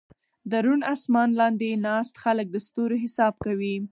د روڼ اسمان لاندې ناست خلک د ستورو حساب کوي.